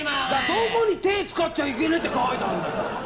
どこに手使っちゃいけないって書いてあんだよ。